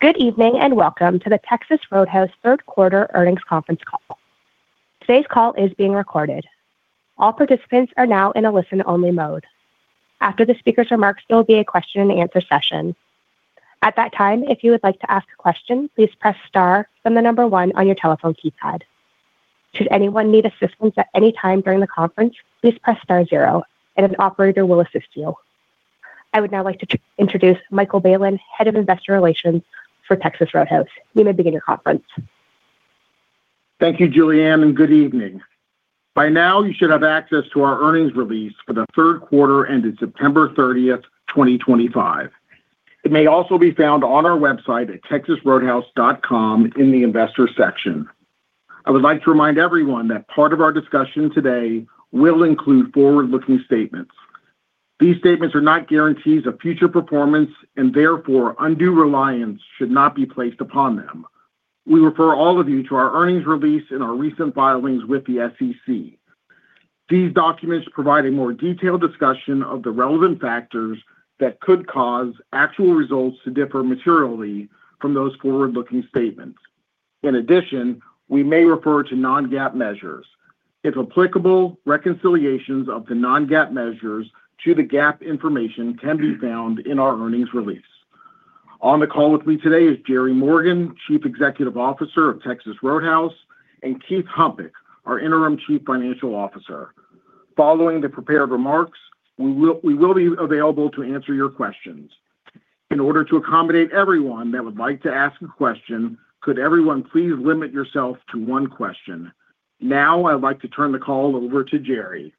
Good evening and welcome to the Texas Roadhouse third quarter earnings conference call. Today's call is being recorded. All participants are now in a listen-only mode. After the speaker's remarks, there will be a question-and-answer session. At that time, if you would like to ask a question, please press star then the number one on your telephone keypad. Should anyone need assistance at any time during the conference, please press star zero, and an operator will assist you. I would now like to introduce Michael Bailen, Head of Investor Relations for Texas Roadhouse. You may begin your conference. Thank you, Julianne, and good evening. By now, you should have access to our earnings release for the third quarter ended September 30th, 2025. It may also be found on our website at texasroadhouse.com in the Investor Section. I would like to remind everyone that part of our discussion today will include forward-looking statements. These statements are not guarantees of future performance, and therefore, undue reliance should not be placed upon them. We refer all of you to our earnings release and our recent filings with the SEC. These documents provide a more detailed discussion of the relevant factors that could cause actual results to differ materially from those forward-looking statements. In addition, we may refer to non-GAAP measures. If applicable, reconciliations of the non-GAAP measures to the GAAP information can be found in our earnings release. On the call with me today is Jerry Morgan, Chief Executive Officer of Texas Roadhouse, and Keith Humpich, our Interim Chief Financial Officer. Following the prepared remarks, we will be available to answer your questions. In order to accommodate everyone that would like to ask a question, could everyone please limit yourself to one question? Now, I'd like to turn the call over to Jerry.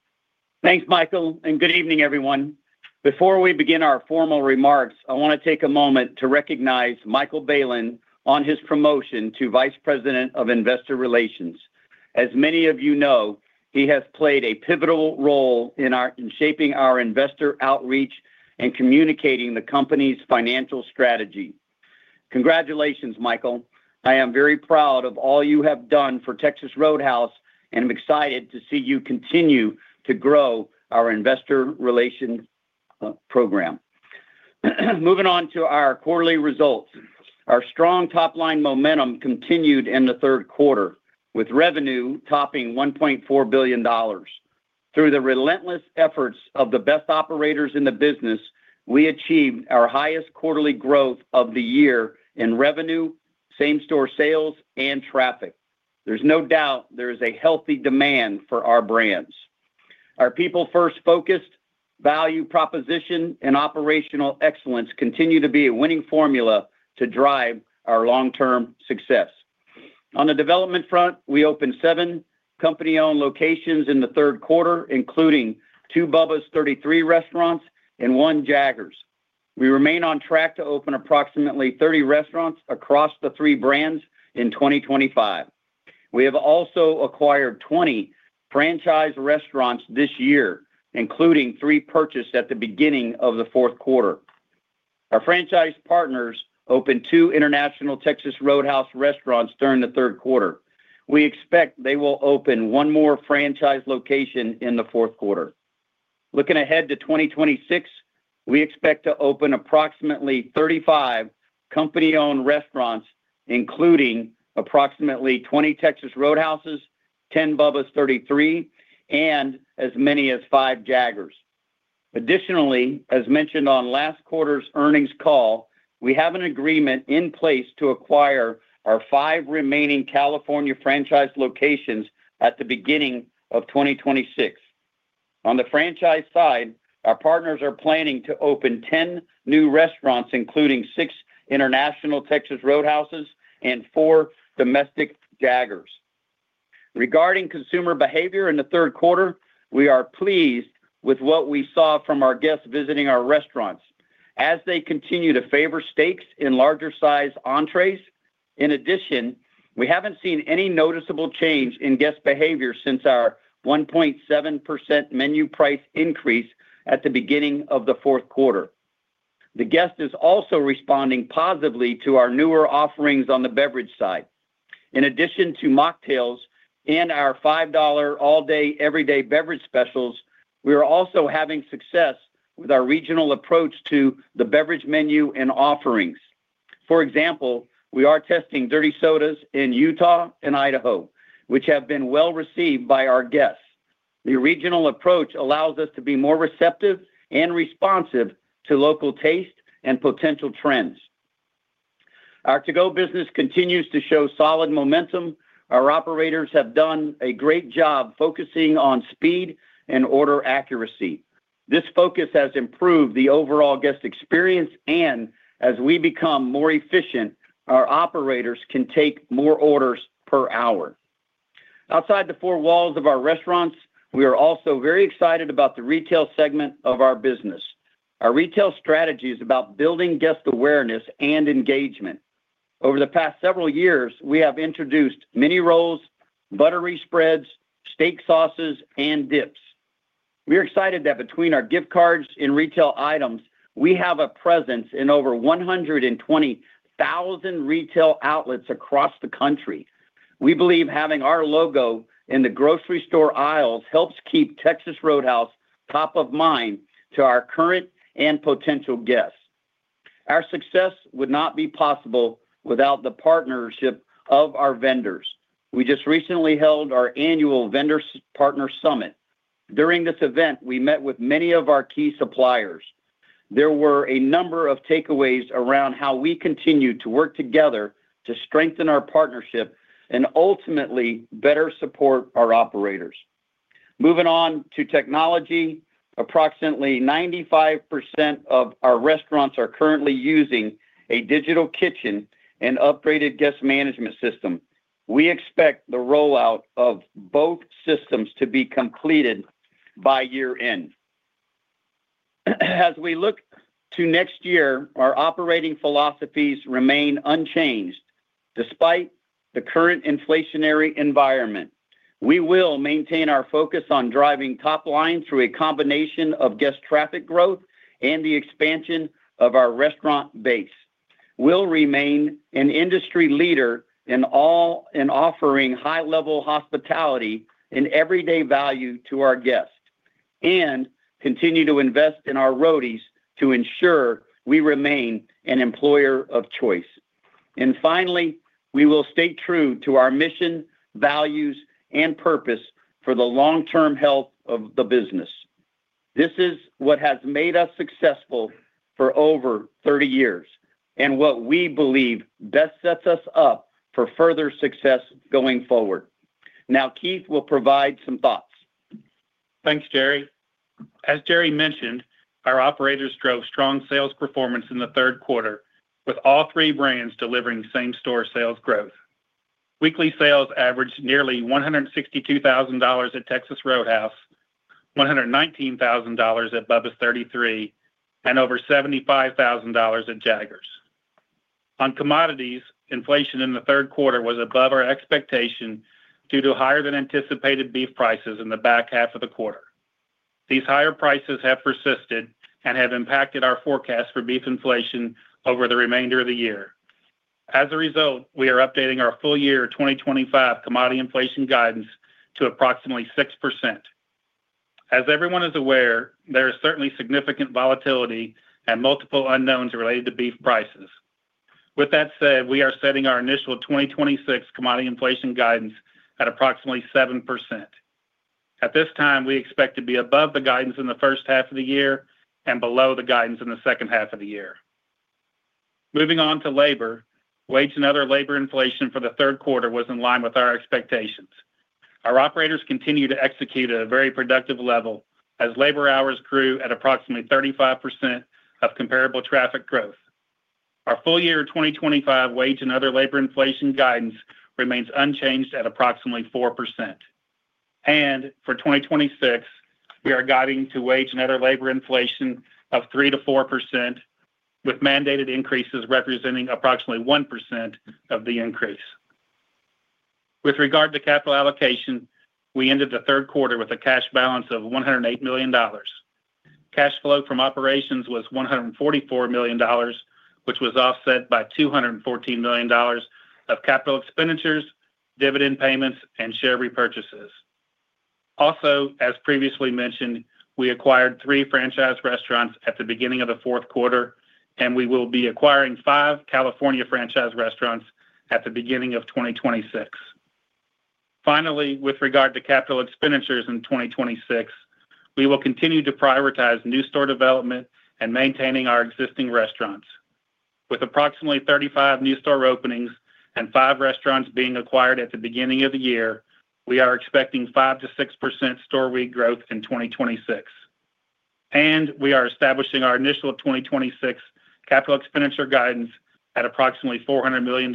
Thanks, Michael, and good evening, everyone. Before we begin our formal remarks, I want to take a moment to recognize Michael Bailen on his promotion to Vice President of Investor Relations. As many of you know, he has played a pivotal role in shaping our investor outreach and communicating the company's financial strategy. Congratulations, Michael. I am very proud of all you have done for Texas Roadhouse, and I'm excited to see you continue to grow our investor relations program. Moving on to our quarterly results, our strong top-line momentum continued in the third quarter, with revenue topping $1.4 billion. Through the relentless efforts of the best operators in the business, we achieved our highest quarterly growth of the year in revenue, same-store sales, and traffic. There's no doubt there is a healthy demand for our brands. Our people-first focus, value proposition, and operational excellence continue to be a winning formula to drive our long-term success. On the development front, we opened seven company-owned locations in the third quarter, including two Bubba's 33 restaurants and one Jaggers. We remain on track to open approximately 30 restaurants across the three brands in 2025. We have also acquired 20 franchise restaurants this year, including three purchased at the beginning of the fourth quarter. Our franchise partners opened two international Texas Roadhouse restaurants during the third quarter. We expect they will open one more franchise location in the fourth quarter. Looking ahead to 2026, we expect to open approximately 35 company-owned restaurants, including approximately 20 Texas Roadhouse, 10 Bubba's 33, and as many as five Jaggers. Additionally, as mentioned on last quarter's earnings call, we have an agreement in place to acquire our five remaining California franchise locations at the beginning of 2026. On the franchise side, our partners are planning to open 10 new restaurants, including six international Texas Roadhouses and four domestic Jaggers. Regarding consumer behavior in the third quarter, we are pleased with what we saw from our guests visiting our restaurants, as they continue to favor steaks in larger-size entrees. In addition, we haven't seen any noticeable change in guest behavior since our 1.7% menu price increase at the beginning of the fourth quarter. The guest is also responding positively to our newer offerings on the beverage side. In addition to mocktails and our $5 all-day everyday beverage specials, we are also having success with our regional approach to the beverage menu and offerings. For example, we are testing dirty sodas in Utah and Idaho, which have been well received by our guests. The regional approach allows us to be more receptive and responsive to local taste and potential trends. Our to-go business continues to show solid momentum. Our operators have done a great job focusing on speed and order accuracy. This focus has improved the overall guest experience, and as we become more efficient, our operators can take more orders per hour. Outside the four walls of our restaurants, we are also very excited about the retail segment of our business. Our retail strategy is about building guest awareness and engagement. Over the past several years, we have introduced mini rolls, buttery spreads, steak sauces, and dips. We are excited that between our gift cards and retail items, we have a presence in over 120,000 retail outlets across the country. We believe having our logo in the grocery store aisles helps keep Texas Roadhouse top of mind to our current and potential guests. Our success would not be possible without the partnership of our vendors. We just recently held our annual vendor partner summit. During this event, we met with many of our key suppliers. There were a number of takeaways around how we continue to work together to strengthen our partnership and ultimately better support our operators. Moving on to technology, approximately 95% of our restaurants are currently using a digital kitchen and upgraded guest management system. We expect the rollout of both systems to be completed by year-end. As we look to next year, our operating philosophies remain unchanged despite the current inflationary environment. We will maintain our focus on driving top line through a combination of guest traffic growth and the expansion of our restaurant base. will remain an industry leader in offering high-level hospitality and everyday value to our guests and continue to invest in our roadies to ensure we remain an employer of choice. Finally, we will stay true to our mission, values, and purpose for the long-term health of the business. This is what has made us successful for over 30 years and what we believe best sets us up for further success going forward. Now, Keith will provide some thoughts. Thanks, Jerry. As Jerry mentioned, our operators drove strong sales performance in the third quarter, with all three brands delivering same-store sales growth. Weekly sales averaged nearly $162,000 at Texas Roadhouse, $119,000 at Bubba's 33, and over $75,000 at Jaggers. On commodities, inflation in the third quarter was above our expectation due to higher-than-anticipated beef prices in the back half of the quarter. These higher prices have persisted and have impacted our forecast for beef inflation over the remainder of the year. As a result, we are updating our full year 2025 commodity inflation guidance to approximately 6%. As everyone is aware, there is certainly significant volatility and multiple unknowns related to beef prices. With that said, we are setting our initial 2026 commodity inflation guidance at approximately 7%. At this time, we expect to be above the guidance in the first half of the year and below the guidance in the second half of the year. Moving on to labor, wage and other labor inflation for the third quarter was in line with our expectations. Our operators continue to execute at a very productive level as labor hours grew at approximately 35% of comparable traffic growth. Our full year 2025 wage and other labor inflation guidance remains unchanged at approximately 4%. For 2026, we are guiding to wage and other labor inflation of 3%-4%, with mandated increases representing approximately 1% of the increase. With regard to capital allocation, we ended the third quarter with a cash balance of $108 million. Cash flow from operations was $144 million, which was offset by $214 million of capital expenditures, dividend payments, and share repurchases. Also, as previously mentioned, we acquired three franchise restaurants at the beginning of the fourth quarter, and we will be acquiring five California franchise restaurants at the beginning of 2026. Finally, with regard to capital expenditures in 2026, we will continue to prioritize new store development and maintaining our existing restaurants. With approximately 35 new store openings and five restaurants being acquired at the beginning of the year, we are expecting 5%-6% store week growth in 2026. We are establishing our initial 2026 capital expenditure guidance at approximately $400 million.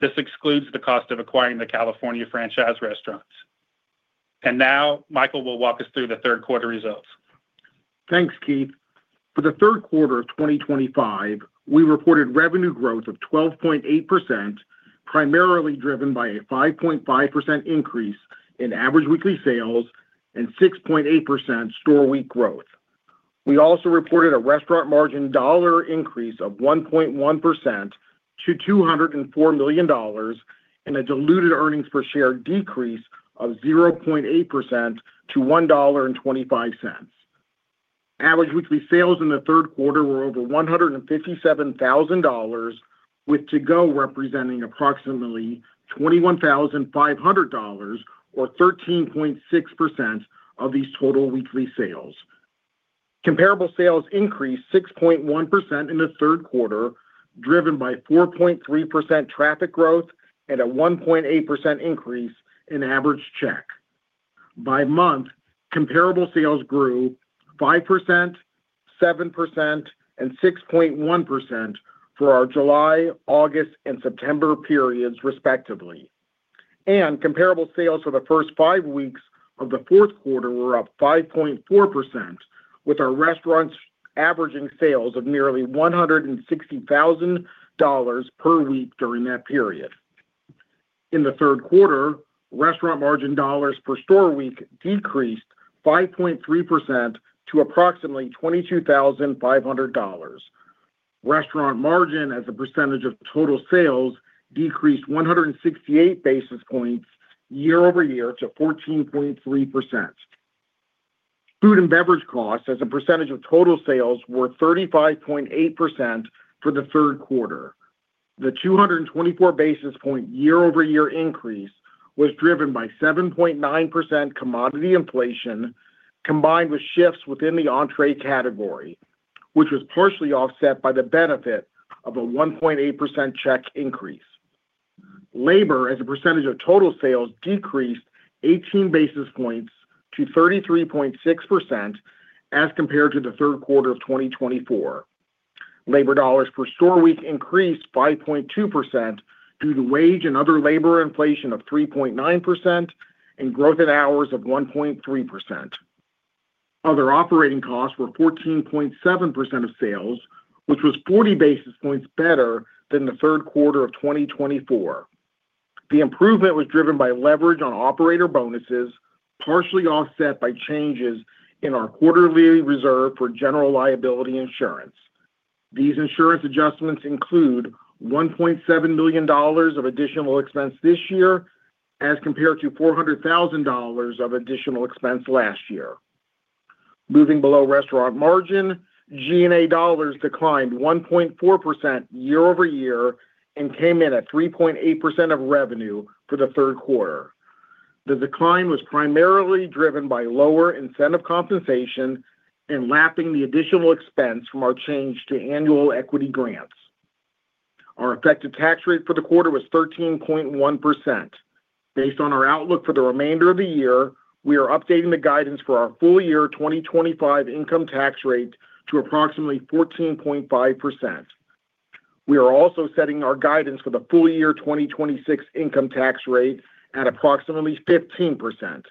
This excludes the cost of acquiring the California franchise restaurants. Now, Michael will walk us through the third quarter results. Thanks, Keith. For the third quarter of 2025, we reported revenue growth of 12.8%. Primarily driven by a 5.5% increase in average weekly sales and 6.8% store week growth. We also reported a restaurant margin dollar increase of 1.1% to $204 million. A diluted earnings per share decrease of 0.8% to $1.25. Average weekly sales in the third quarter were over $157,000, with to-go representing approximately $21,500 or 13.6% of these total weekly sales. Comparable sales increased 6.1% in the third quarter, driven by 4.3% traffic growth and a 1.8% increase in average check. By month, comparable sales grew 5%, 7%, and 6.1% for our July, August, and September periods, respectively. Comparable sales for the first five weeks of the fourth quarter were up 5.4%, with our restaurants averaging sales of nearly $160,000 per week during that period. In the third quarter, restaurant margin dollars per store week decreased 5.3% to approximately $22,500. Restaurant margin as a percentage of total sales decreased 168 basis points year-over-year to 14.3%. Food and beverage costs as a percentage of total sales were 35.8% for the third quarter. The 224 basis point year-over-year increase was driven by 7.9% commodity inflation combined with shifts within the entree category, which was partially offset by the benefit of a 1.8% check increase. Labor as a percentage of total sales decreased 18 basis points to 33.6% as compared to the third quarter of 2024. Labor dollars per store week increased 5.2% due to wage and other labor inflation of 3.9% and growth in hours of 1.3%. Other operating costs were 14.7% of sales, which was 40 basis points better than the third quarter of 2024. The improvement was driven by leverage on operator bonuses, partially offset by changes in our quarterly reserve for general liability insurance. These insurance adjustments include $1.7 million of additional expense this year as compared to $400,000 of additional expense last year. Moving below restaurant margin, G&A dollars declined 1.4% year-over-year and came in at 3.8% of revenue for the third quarter. The decline was primarily driven by lower incentive compensation and lapping the additional expense from our change to annual equity grants. Our effective tax rate for the quarter was 13.1%. Based on our outlook for the remainder of the year, we are updating the guidance for our full year 2025 income tax rate to approximately 14.5%. We are also setting our guidance for the full year 2026 income tax rate at approximately 15%.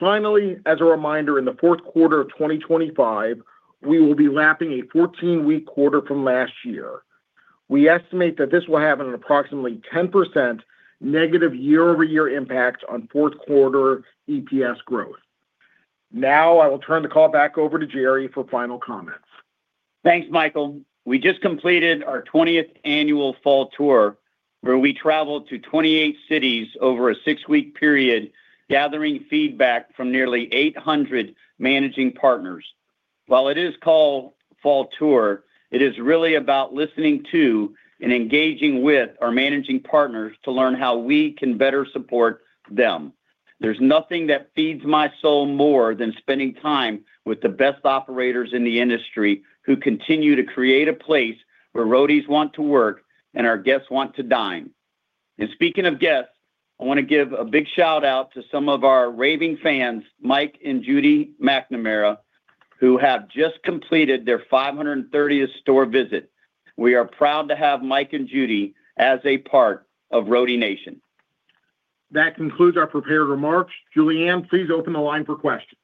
Finally, as a reminder, in the fourth quarter of 2025, we will be lapping a 14-week quarter from last year. We estimate that this will have an approximately 10% negative year-over-year impact on fourth quarter EPS growth. Now, I will turn the call back over to Jerry for final comments. Thanks, Michael. We just completed our 20th annual Fall Tour, where we traveled to 28 cities over a six-week period, gathering feedback from nearly 800 managing partners. While it is called Fall Tour, it is really about listening to and engaging with our managing partners to learn how we can better support them. There's nothing that feeds my soul more than spending time with the best operators in the industry who continue to create a place where roadies want to work and our guests want to dine. Speaking of guests, I want to give a big shout-out to some of our raving fans, Mike and Judy McNamara, who have just completed their 530th store visit. We are proud to have Mike and Judy as a part of Roadie Nation. That concludes our prepared remarks. Julianne, please open the line for questions.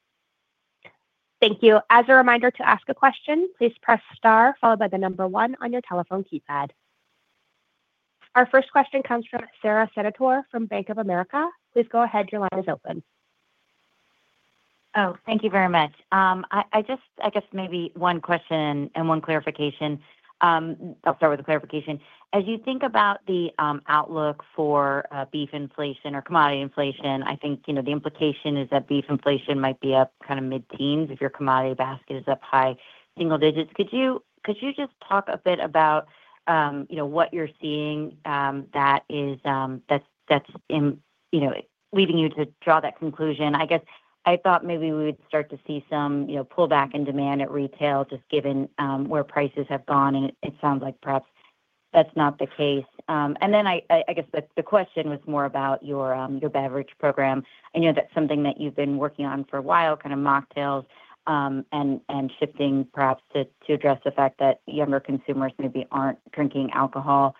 Thank you. As a reminder to ask a question, please press star followed by the number one on your telephone keypad. Our first question comes from Sara Senatore from Bank of America. Please go ahead. Your line is open. Oh, thank you very much. I guess maybe one question and one clarification. I'll start with a clarification. As you think about the outlook for beef inflation or commodity inflation, I think the implication is that beef inflation might be up kind of mid-teens if your commodity basket is up high single digits. Could you just talk a bit about what you're seeing that is leading you to draw that conclusion? I guess I thought maybe we would start to see some pullback in demand at retail just given where prices have gone. It sounds like perhaps that's not the case. I guess the question was more about your beverage program. I know that's something that you've been working on for a while, kind of mocktails, and shifting perhaps to address the fact that younger consumers maybe aren't drinking alcohol.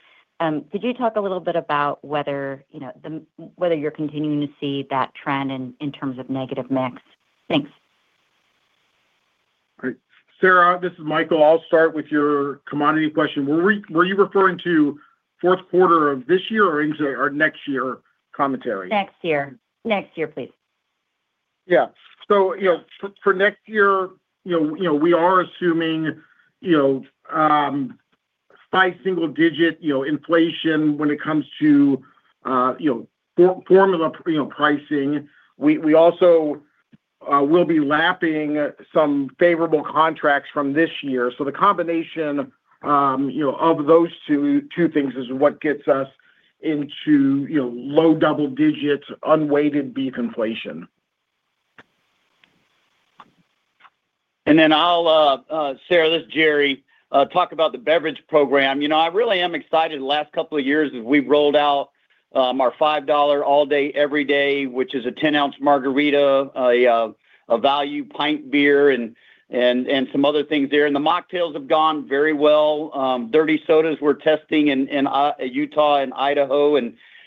Could you talk a little bit about whether you're continuing to see that trend in terms of negative mix? Thanks. Great. Sara, this is Michael. I'll start with your commodity question. Were you referring to fourth quarter of this year or next year commentary? Next year. Next year, please. Yeah. For next year, we are assuming five single-digit inflation when it comes to formula pricing. We also will be lapping some favorable contracts from this year. The combination of those two things is what gets us into low double-digit unweighted beef inflation. I'll, Sara, this is Jerry, talk about the beverage program. I really am excited. The last couple of years, we've rolled out our $5 all day, every day, which is a 10-ounce margarita, a value pint beer, and some other things there. The mocktails have gone very well. Dirty sodas we're testing in Utah and Idaho.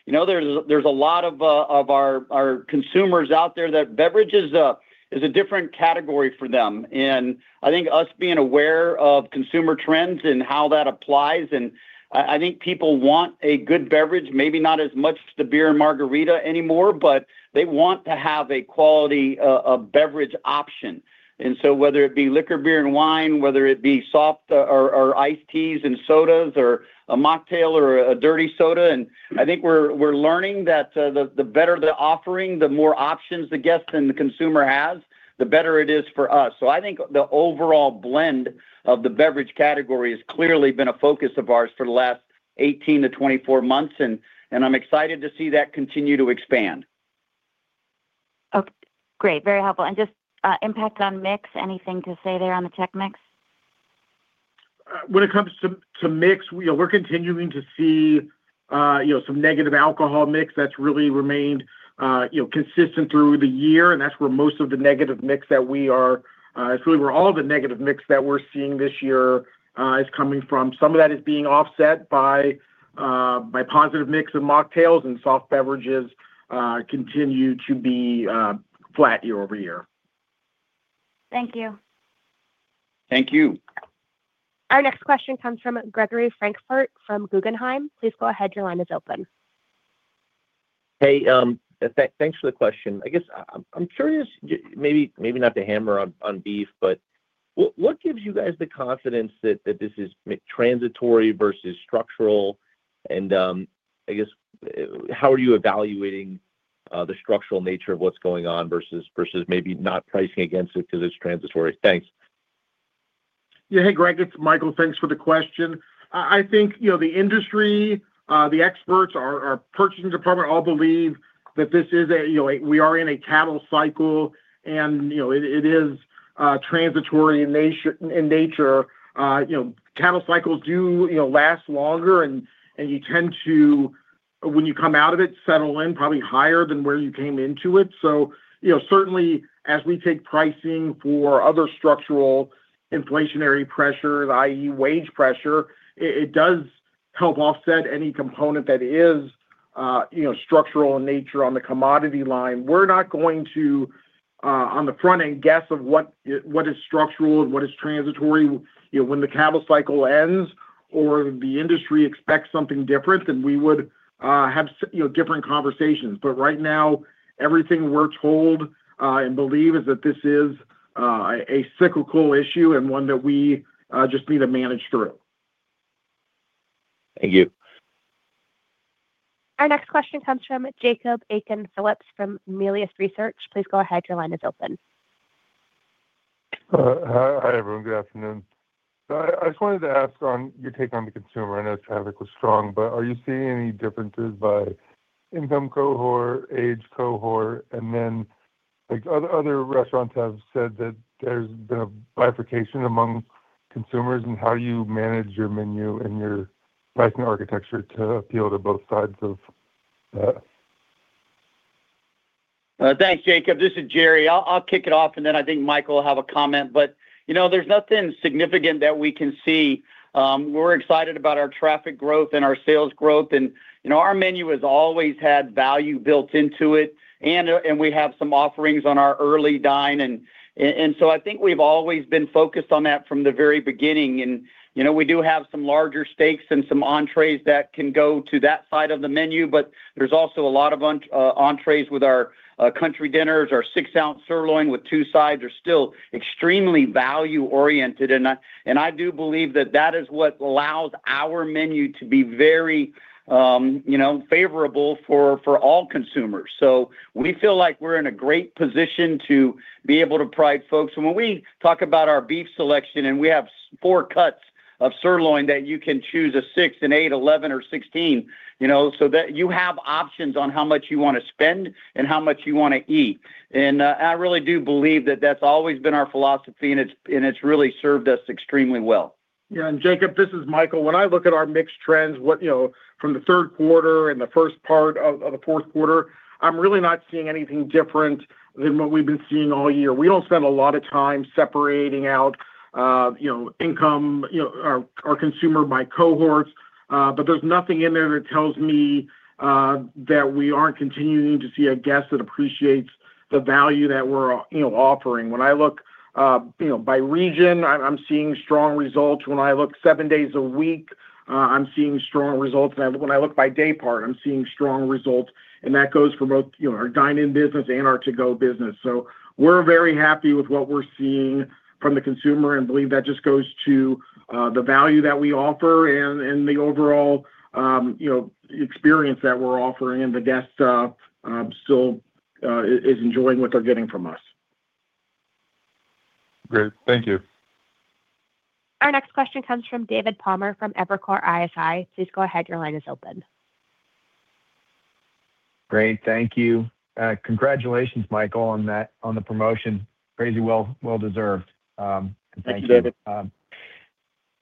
There are a lot of our consumers out there that beverage is a different category for them. I think us being aware of consumer trends and how that applies, and I think people want a good beverage, maybe not as much the beer and margarita anymore, but they want to have a quality beverage option. Whether it be liquor, beer, and wine, whether it be soft or iced teas and sodas or a mocktail or a dirty soda. I think we're learning that the better the offering, the more options the guest and the consumer has, the better it is for us. I think the overall blend of the beverage category has clearly been a focus of ours for the last 18 months-24 months. I'm excited to see that continue to expand. Okay. Great. Very helpful. Anything to say there on the check mix? When it comes to mix, we're continuing to see some negative alcohol mix that's really remained consistent through the year. That's where most of the negative mix that we are—it's really where all the negative mix that we're seeing this year is coming from. Some of that is being offset by positive mix of mocktails and soft beverages. Continue to be flat year-over-year. Thank you. Thank you. Our next question comes from Gregory Francfort from Guggenheim. Please go ahead. Your line is open. Hey, thanks for the question. I guess I'm curious, maybe not to hammer on beef, but what gives you guys the confidence that this is transitory versus structural? I guess, how are you evaluating the structural nature of what's going on versus maybe not pricing against it because it's transitory? Thanks. Yeah. Hey, Greg, it's Michael. Thanks for the question. I think the industry, the experts, our purchasing department all believe that this is a—we are in a cattle cycle, and it is transitory in nature. Cattle cycles do last longer, and you tend to, when you come out of it, settle in probably higher than where you came into it. Certainly, as we take pricing for other structural inflationary pressures, i.e., wage pressure, it does help offset any component that is structural in nature on the commodity line. We're not going to, on the front-end, guess of what is structural and what is transitory. When the cattle cycle ends or the industry expects something different, we would have different conversations. Right now, everything we're told and believe is that this is a cyclical issue and one that we just need to manage through. Thank you. Our next question comes from Jacob Aiken-Phillips from Melius Research. Please go ahead. Your line is open. Hi, everyone. Good afternoon. I just wanted to ask on your take on the consumer. I know traffic was strong, but are you seeing any differences by income cohort, age cohort? Other restaurants have said that there's been a bifurcation among consumers. How do you manage your menu and your pricing architecture to appeal to both sides of that? Thanks, Jacob. This is Jerry. I'll kick it off, and then I think Michael will have a comment. There's nothing significant that we can see. We're excited about our traffic growth and our sales growth. Our menu has always had value built into it. We have some offerings on our early dine. I think we've always been focused on that from the very beginning. We do have some larger steaks and some entrees that can go to that side of the menu. There's also a lot of entrees with our country dinners. Our six-ounce sirloin with two sides are still extremely value-oriented. I do believe that that is what allows our menu to be very favorable for all consumers. We feel like we're in a great position to be able to pride folks. When we talk about our beef selection, we have four cuts of sirloin that you can choose: a six, an eight, 11, or 16, so that you have options on how much you want to spend and how much you want to eat. I really do believe that that's always been our philosophy, and it's really served us extremely well. Yeah. And Jacob, this is Michael. When I look at our mixed trends from the third quarter and the first part of the fourth quarter, I'm really not seeing anything different than what we've been seeing all year. We don't spend a lot of time separating out income, our consumer, my cohorts. But there's nothing in there that tells me that we aren't continuing to see a guest that appreciates the value that we're offering. When I look by region, I'm seeing strong results. When I look seven days a week, I'm seeing strong results. And when I look by day part, I'm seeing strong results. That goes for both our dine-in business and our to-go business. We're very happy with what we're seeing from the consumer. I believe that just goes to the value that we offer and the overall Experience that we're offering and the guests still is enjoying what they're getting from us. Great. Thank you. Our next question comes from David Palmer from Evercore ISI. Please go ahead. Your line is open. Great. Thank you. Congratulations, Michael, on the promotion. Crazy well-deserved. Thank you. Thank you, David.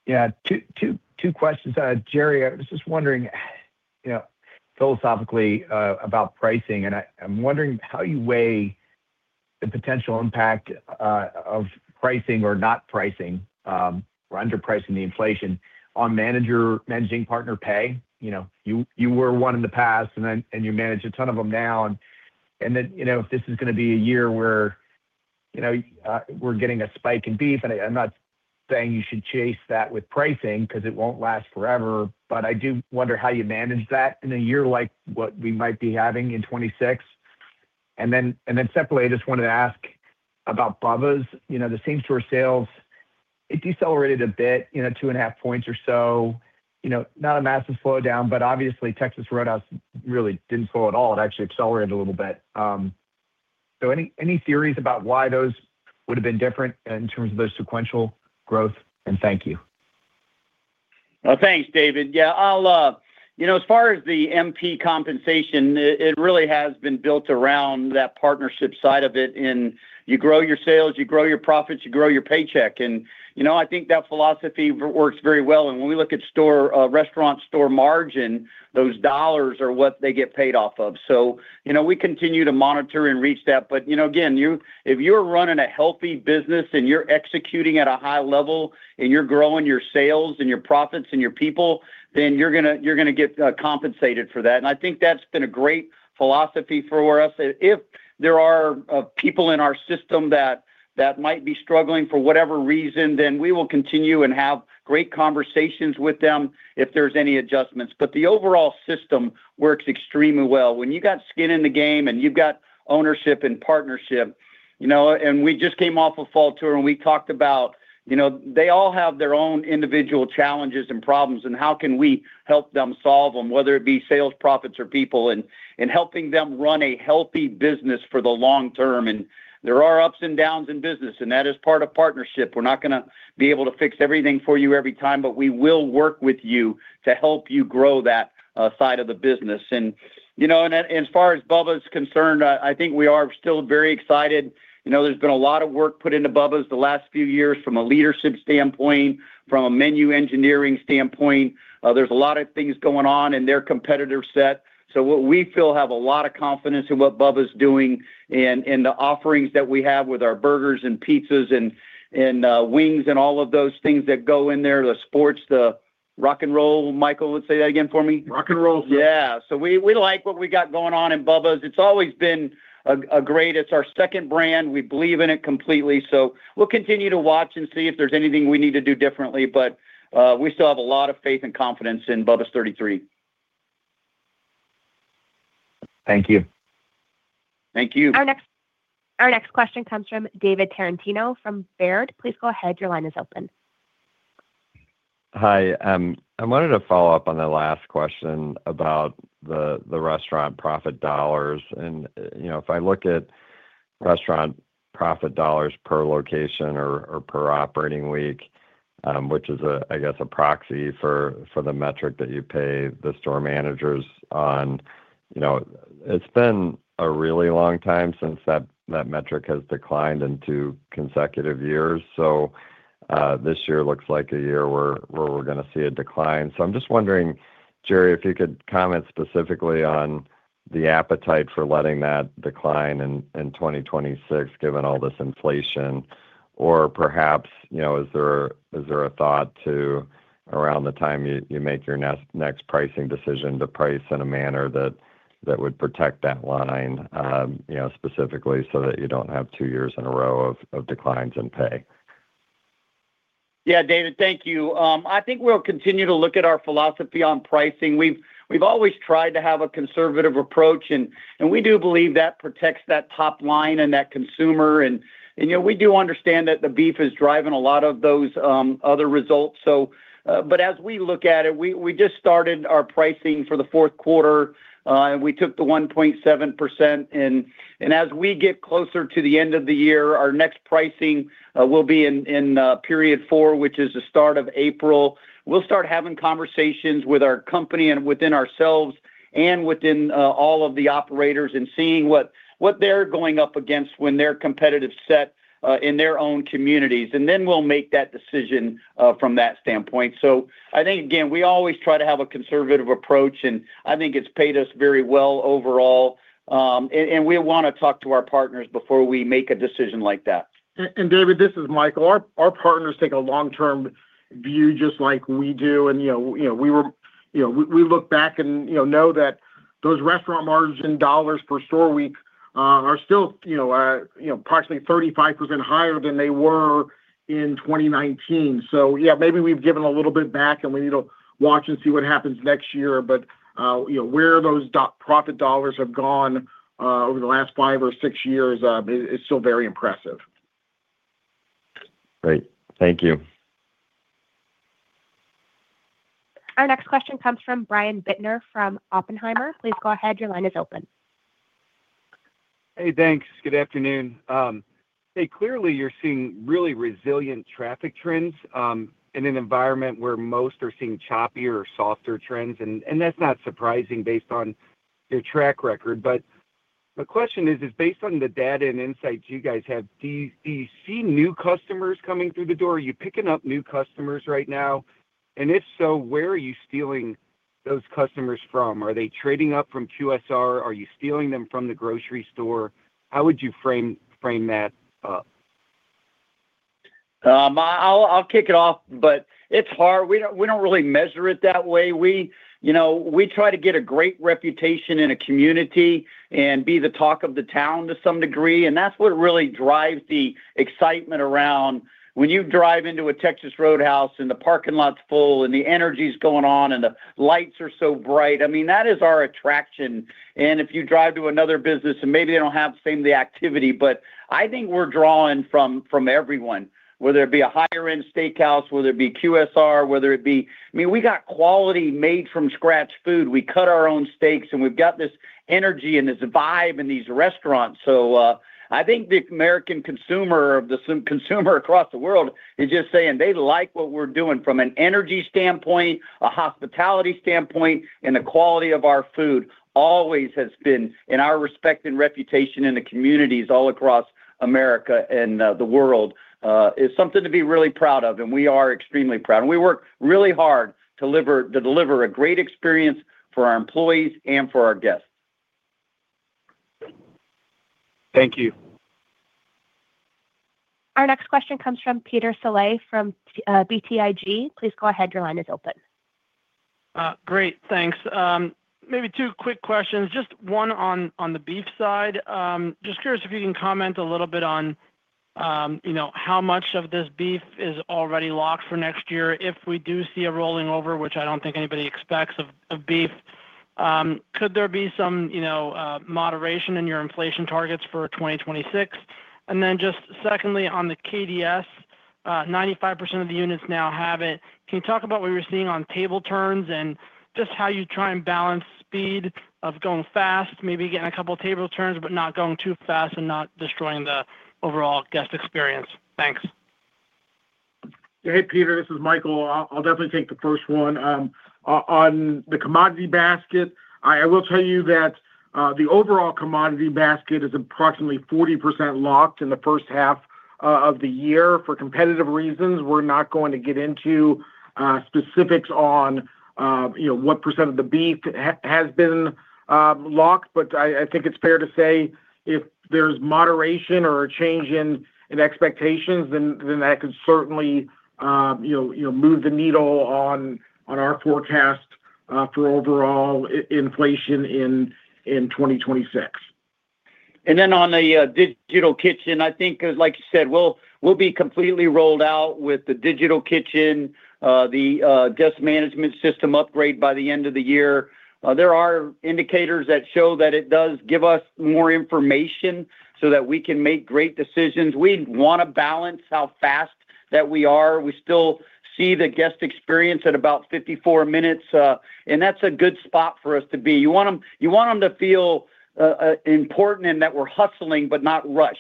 Yeah. Two questions. Jerry, I was just wondering philosophically about pricing. And I'm wondering how you weigh. The potential impact of pricing or not pricing. Or underpricing the inflation on managing partner pay. You were one in the past, and you manage a ton of them now. If this is going to be a year where. We're getting a spike in beef, and I'm not saying you should chase that with pricing because it won't last forever. I do wonder how you manage that in a year like what we might be having in 2026. Then separately, I just wanted to ask about Bubba's. The same-store sales, it decelerated a bit, two and a half points or so. Not a massive slowdown, but obviously, Texas Roadhouse really did not slow at all. It actually accelerated a little bit. Any theories about why those would have been different in terms of those sequential growth? Thank you. Thanks, David. Yeah. As far as the MP compensation, it really has been built around that partnership side of it. You grow your sales, you grow your profits, you grow your paycheck. I think that philosophy works very well. When we look at restaurant store margin, those dollars are what they get paid off of. We continue to monitor and reach that. Again, if you're running a healthy business and you're executing at a high level and you're growing your sales and your profits and your people, then you're going to get compensated for that. I think that's been a great philosophy for us. If there are people in our system that might be struggling for whatever reason, we will continue and have great conversations with them if there's any adjustments. The overall system works extremely well. When you've got skin in the game and you've got ownership and partnership. We just came off a fall tour, and we talked about they all have their own individual challenges and problems, and how can we help them solve them, whether it be sales, profits, or people, and helping them run a healthy business for the long term. There are ups and downs in business, and that is part of partnership. We're not going to be able to fix everything for you every time, but we will work with you to help you grow that side of the business. As far as Bubba's concerned, I think we are still very excited. There's been a lot of work put into Bubba's the last few years from a leadership standpoint, from a menu engineering standpoint. There's a lot of things going on in their competitive set. We feel we have a lot of confidence in what Bubba is doing and the offerings that we have with our burgers and pizzas and wings and all of those things that go in there, the sports, the rock and roll. Michael, would you say that again for me? Rock and roll. Yeah. We like what we got going on in Bubba's. It's always been a great—it's our second brand. We believe in it completely. We will continue to watch and see if there's anything we need to do differently. We still have a lot of faith and confidence in Bubba's 33. Thank you. Thank you. Our next question comes from David Tarantino from Baird. Please go ahead. Your line is open. Hi. I wanted to follow up on the last question about the restaurant profit dollars. If I look at restaurant profit dollars per location or per operating week, which is, I guess, a proxy for the metric that you pay the store managers on, it's been a really long time since that metric has declined in two consecutive years. This year looks like a year where we're going to see a decline. I'm just wondering, Jerry, if you could comment specifically on the appetite for letting that decline in 2026, given all this inflation. Or perhaps, is there a thought to, around the time you make your next pricing decision, to price in a manner that would protect that line, specifically so that you don't have two years in a row of declines in pay? Yeah, David, thank you. I think we'll continue to look at our philosophy on pricing. We've always tried to have a conservative approach, and we do believe that protects that top line and that consumer. We do understand that the beef is driving a lot of those other results. As we look at it, we just started our pricing for the fourth quarter, and we took the 1.7%. As we get closer to the end of the year, our next pricing will be in period four, which is the start of April. We'll start having conversations with our company and within ourselves and within all of the operators and seeing what they're going up against with their competitive set in their own communities. Then we'll make that decision from that standpoint. I think, again, we always try to have a conservative approach, and I think it's paid us very well overall. And we want to talk to our partners before we make a decision like that. David, this is Michael. Our partners take a long-term view just like we do. We look back and know that those restaurant margin dollars per store week are still approximately 35% higher than they were in 2019. Yeah, maybe we've given a little bit back, and we need to watch and see what happens next year. Where those profit dollars have gone over the last five or six years is still very impressive. Great. Thank you. Our next question comes from Brian Bittner from Oppenheimer. Please go ahead. Your line is open. Hey, thanks. Good afternoon. Hey, clearly, you're seeing really resilient traffic trends in an environment where most are seeing choppier or softer trends. That's not surprising based on their track record. The question is, based on the data and insights you guys have, do you see new customers coming through the door? Are you picking up new customers right now? If so, where are you stealing those customers from? Are they trading up from QSR? Are you stealing them from the grocery store? How would you frame that up? I'll kick it off, but it's hard. We don't really measure it that way. We try to get a great reputation in a community and be the talk of the town to some degree. That is what really drives the excitement around when you drive into a Texas Roadhouse and the parking lot is full and the energy is going on and the lights are so bright. I mean, that is our attraction. If you drive to another business, maybe they do not have the same activity. I think we are drawing from everyone, whether it be a higher-end steakhouse, whether it be QSR, whether it be—I mean, we got quality made-from-scratch food. We cut our own steaks, and we have this energy and this vibe in these restaurants. I think the American consumer or the consumer across the world is just saying they like what we are doing from an energy standpoint, a hospitality standpoint, and the quality of our food always has been in our respect and reputation in the communities all across America and the world. It's something to be really proud of, and we are extremely proud. We work really hard to deliver a great experience for our employees and for our guests. Thank you. Our next question comes from Peter Soley from BTIG. Please go ahead. Your line is open. Great. Thanks. Maybe two quick questions. Just one on the beef side. Just curious if you can comment a little bit on how much of this beef is already locked for next year. If we do see a rolling over, which I do not think anybody expects of beef, could there be some moderation in your inflation targets for 2026? And then just secondly, on the KDS, 95% of the units now have it. Can you talk about what you are seeing on table turns and just how you try and balance speed of going fast, maybe getting a couple of table turns, but not going too fast and not destroying the overall guest experience? Thanks. Hey, Peter, this is Michael. I'll definitely take the first one. On the commodity basket, I will tell you that the overall commodity basket is approximately 40% locked in the first half of the year for competitive reasons. We're not going to get into specifics on what percent of the beef has been locked. I think it's fair to say if there's moderation or a change in expectations, then that could certainly move the needle on our forecast for overall inflation in 2026. On the digital kitchen, I think, like you said, we'll be completely rolled out with the digital kitchen, the guest management system upgrade by the end of the year. There are indicators that show that it does give us more information so that we can make great decisions. We want to balance how fast that we are. We still see the guest experience at about 54 minutes, and that's a good spot for us to be. You want them to feel important and that we're hustling but not rushed.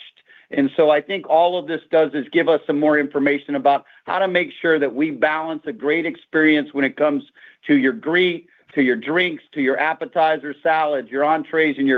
I think all of this does is give us some more information about how to make sure that we balance a great experience when it comes to your greet, to your drinks, to your appetizers, salads, your entrees, and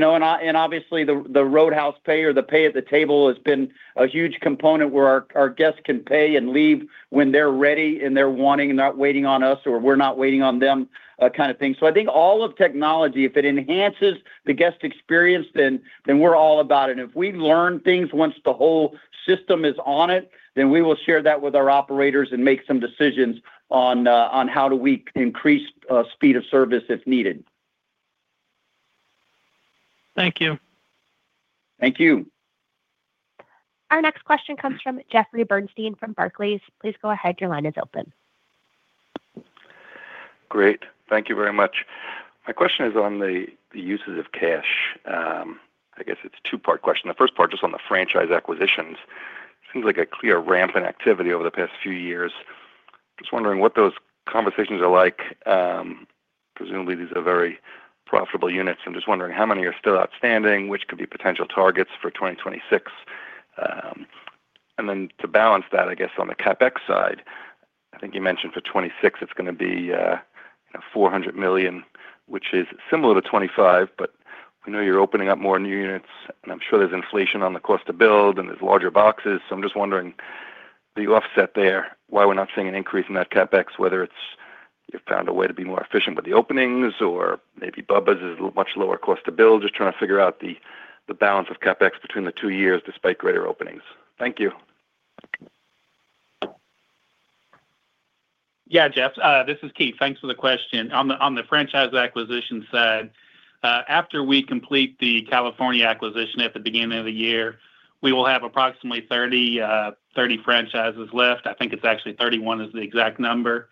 your—and obviously, the Roadhouse pay or the pay at the table has been a huge component where our guests can pay and leave when they're ready and they're wanting and not waiting on us or we're not waiting on them kind of thing. I think all of technology, if it enhances the guest experience, then we're all about it. If we learn things once the whole system is on it, then we will share that with our operators and make some decisions on how do we increase speed of service if needed. Thank you. Thank you. Our next question comes from Jeffrey Bernstein from Barclays. Please go ahead. Your line is open. Great. Thank you very much. My question is on the uses of cash. I guess it's a two-part question. The first part is on the franchise acquisitions. It seems like a clear rampant activity over the past few years. Just wondering what those conversations are like. Presumably, these are very profitable units. I'm just wondering how many are still outstanding, which could be potential targets for 2026. To balance that, I guess, on the CapEx side, I think you mentioned for 2026, it's going to be $400 million, which is similar to 2025, but we know you're opening up more new units, and I'm sure there's inflation on the cost to build and there's larger boxes. I'm just wondering the offset there, why we're not seeing an increase in that CapEx, whether it's you've found a way to be more efficient with the openings or maybe Bubba's is a much lower cost to build, just trying to figure out the balance of CapEx between the two years despite greater openings. Thank you. Yeah, Jeff, this is Keith. Thanks for the question. On the franchise acquisition side, after we complete the California acquisition at the beginning of the year, we will have approximately 30 franchises left. I think it's actually 31 is the exact number.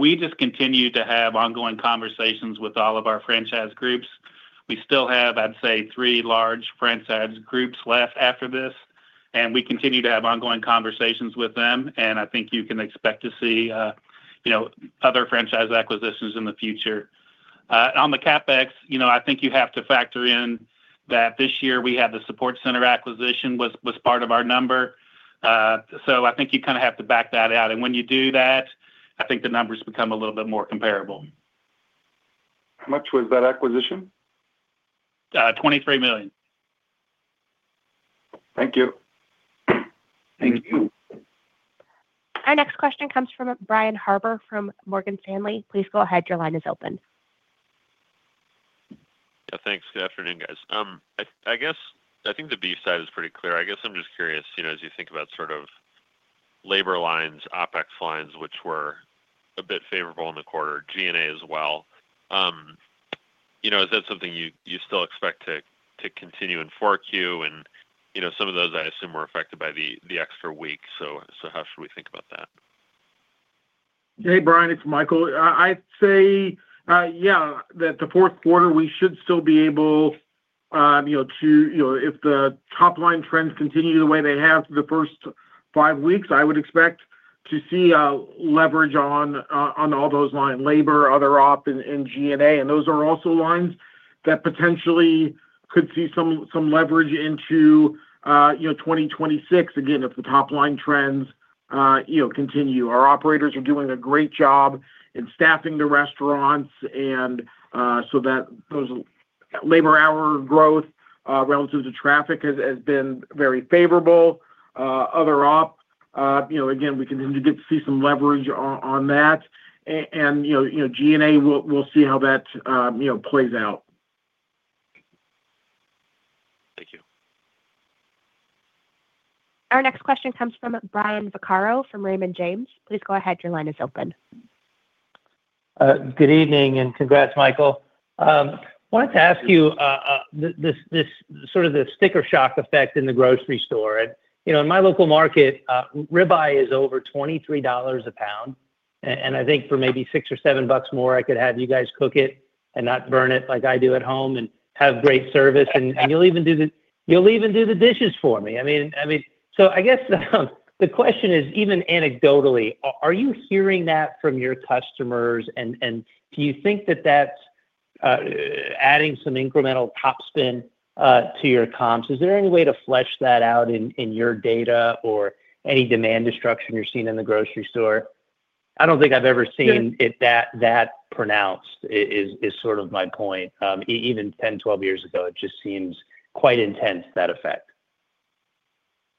We just continue to have ongoing conversations with all of our franchise groups. We still have, I'd say, three large franchise groups left after this, and we continue to have ongoing conversations with them. I think you can expect to see other franchise acquisitions in the future. On the CapEx, I think you have to factor in that this year we had the support center acquisition was part of our number. I think you kind of have to back that out. When you do that, I think the numbers become a little bit more comparable. How much was that acquisition? $23 million. Thank you. Thank you. Our next question comes from Brian Harbor from Morgan Stanley. Please go ahead. Your line is open. Yeah, thanks. Good afternoon, guys. I think the beef side is pretty clear. I guess I'm just curious, as you think about sort of labor lines, OpEx lines, which were a bit favorable in the quarter, G&A as well. Is that something you still expect to continue in Q4? And some of those, I assume, were affected by the extra week. How should we think about that? Hey, Brian, it's Michael. I'd say, yeah, that the fourth quarter, we should still be able to—if the top line trends continue the way they have for the first five weeks, I would expect to see leverage on all those lines: labor, other op, and G&A. Those are also lines that potentially could see some leverage into 2026, again, if the top line trends continue. Our operators are doing a great job in staffing the restaurants, and so labor hour growth relative to traffic has been very favorable. Other op, again, we continue to see some leverage on that. G&A, we'll see how that plays out. Thank you. Our next question comes from Brian Vaccaro from Raymond James. Please go ahead. Your line is open. Good evening and congrats, Michael. I wanted to ask you. Sort of the sticker shock effect in the grocery store. In my local market, rib eye is over $23 a pound. I think for maybe six or seven bucks more, I could have you guys cook it and not burn it like I do at home and have great service. You will even do the—you will even do the dishes for me. I mean, I guess the question is, even anecdotally, are you hearing that from your customers? Do you think that that is adding some incremental top spin to your comps? Is there any way to flesh that out in your data or any demand destruction you are seeing in the grocery store? I do not think I have ever seen it that pronounced is sort of my point. Even 10, 12 years ago, it just seems quite intense, that effect.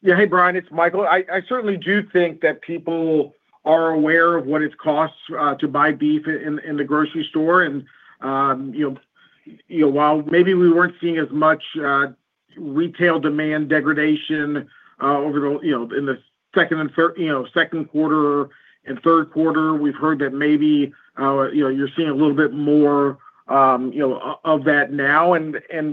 Yeah. Hey, Brian, it's Michael. I certainly do think that people are aware of what it costs to buy beef in the grocery store. While maybe we were not seeing as much retail demand degradation over the second and third quarter, we have heard that maybe you are seeing a little bit more of that now.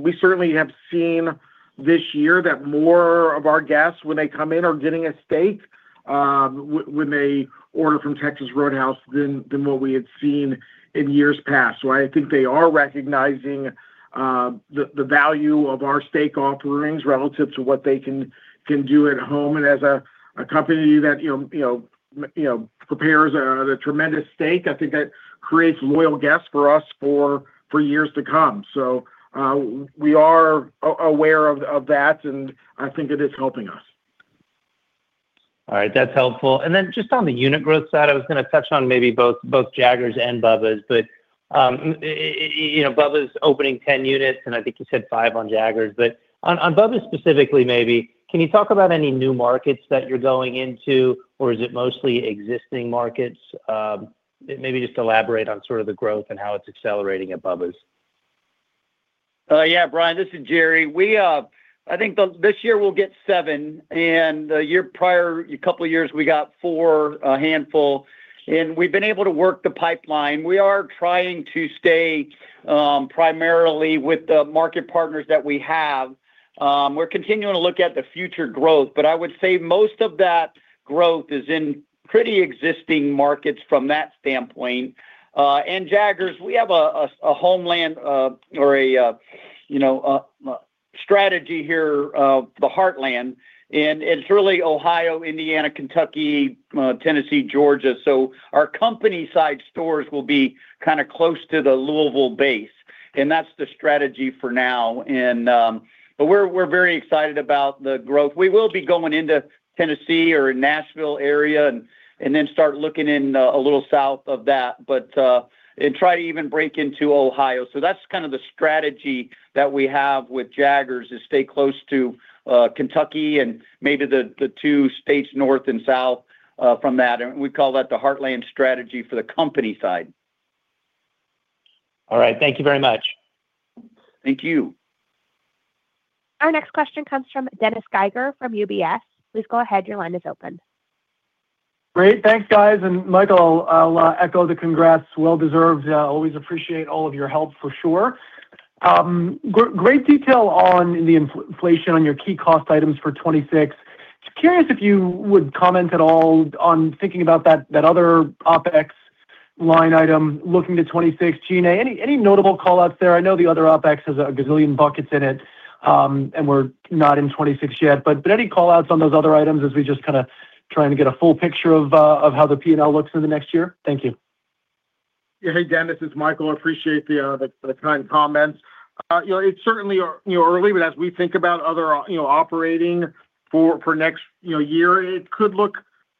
We certainly have seen this year that more of our guests, when they come in, are getting a steak when they order from Texas Roadhouse than what we had seen in years past. I think they are recognizing the value of our steak offerings relative to what they can do at home. As a company that prepares a tremendous steak, I think that creates loyal guests for us for years to come. We are aware of that, and I think it is helping us. All right. That's helpful. Then just on the unit growth side, I was going to touch on maybe both Jaggers and Bubba's, but Bubba's opening 10 units, and I think you said five on Jaggers. On Bubba's specifically, maybe, can you talk about any new markets that you're going into, or is it mostly existing markets? Maybe just elaborate on sort of the growth and how it's accelerating at Bubba's. Yeah, Brian, this is Jerry. I think this year we'll get seven. The year prior, a couple of years, we got four, a handful. We've been able to work the pipeline. We are trying to stay primarily with the market partners that we have. We're continuing to look at the future growth, but I would say most of that growth is in pretty existing markets from that standpoint. Jaggers, we have a homeland or a Strategy here, the heartland. It is really Ohio, Indiana, Kentucky, Tennessee, Georgia. Our company-side stores will be kind of close to the Louisville base. That is the strategy for now. We are very excited about the growth. We will be going into Tennessee or Nashville area and then start looking a little south of that and try to even break into Ohio. That is kind of the strategy that we have with Jaggers, stay close to Kentucky and maybe the two states north and south from that. We call that the heartland strategy for the company side. All right. Thank you very much. Thank you. Our next question comes from Dennis Geiger from UBS. Please go ahead. Your line is open. Great. Thanks, guys. And Michael, I'll echo the congrats. Well-deserved. Always appreciate all of your help for sure. Great detail on the inflation on your key cost items for 2026. Just curious if you would comment at all on thinking about that other OpEx line item looking to 2026, G&A. Any notable callouts there? I know the other OpEx has a gazillion buckets in it, and we're not in 2026 yet. Any callouts on those other items as we just kind of trying to get a full picture of how the P&L looks in the next year? Thank you. Yeah. Hey, Dan, this is Michael. I appreciate the kind comments. It's certainly early, but as we think about other operating for next year, it could look,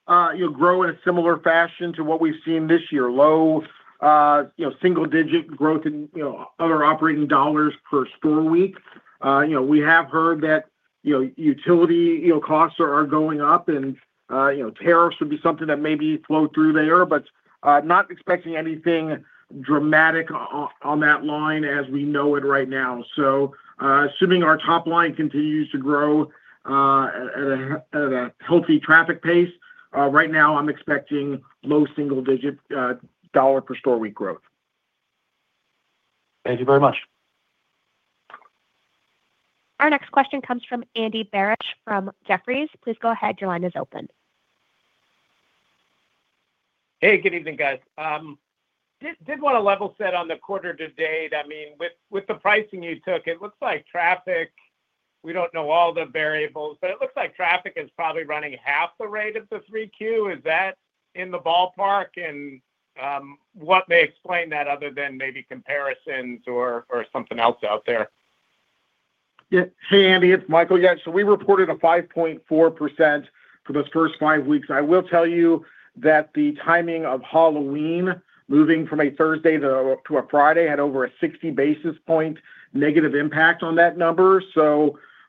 grow in a similar fashion to what we've seen this year. Low single-digit growth in other operating dollars per store week. We have heard that utility costs are going up, and tariffs would be something that maybe flow through there, but not expecting anything dramatic on that line as we know it right now. Assuming our top line continues to grow at a healthy traffic pace, right now, I'm expecting low single-digit dollar per store week growth. Thank you very much. Our next question comes from Andy Barish from Jefferies. Please go ahead. Your line is open. Hey, good evening, guys. I did want to level set on the quarter to date. I mean, with the pricing you took, it looks like traffic—we do not know all the variables—but it looks like traffic is probably running half the rate of the 3Q. Is that in the ballpark? What may explain that other than maybe comparisons or something else out there? Hey, Andy, it's Michael. Yeah. So we reported a 5.4% for those first five weeks. I will tell you that the timing of Halloween, moving from a Thursday to a Friday, had over a 60 basis point negative impact on that number.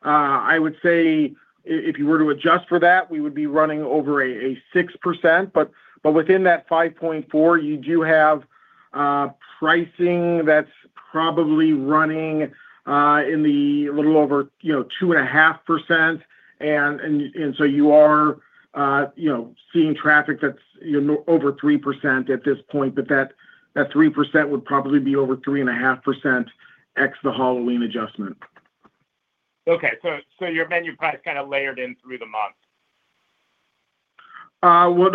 I would say if you were to adjust for that, we would be running over a 6%. Within that 5.4%, you do have pricing that is probably running in the little over 2.5%. You are seeing traffic that is over 3% at this point, but that 3% would probably be over 3.5% excluding the Halloween adjustment. Okay. So your menu price kind of layered in through the month? No.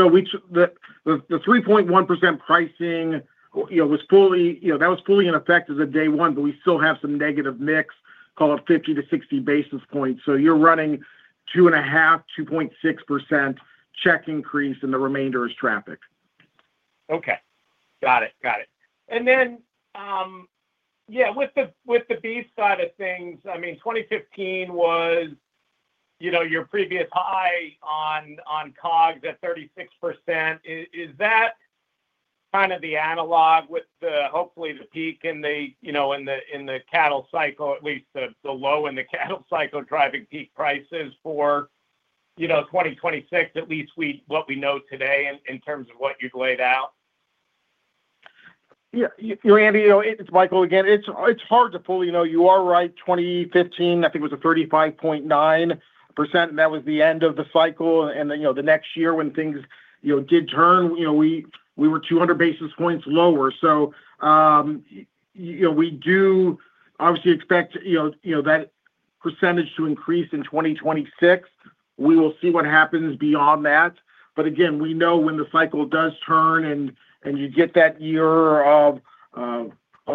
The 3.1% pricing was fully—that was fully in effect as of day one, but we still have some negative mix, call it 50-60 basis points. So you're running 2.5%-2.6% check increase, and the remainder is traffic. Okay. Got it. Got it. And then, yeah, with the beef side of things, I mean, 2015 was your previous high on Cogs at 36%. Is that kind of the analog with hopefully the peak in the cattle cycle, at least the low in the cattle cycle driving peak prices for 2026, at least what we know today in terms of what you've laid out? Yeah. Andy, it's Michael again. It's hard to fully—you are right. 2015, I think it was 35.9%, and that was the end of the cycle. The next year when things did turn, we were 200 basis points lower. We do obviously expect that percentage to increase in 2026. We will see what happens beyond that. Again, we know when the cycle does turn and you get that year of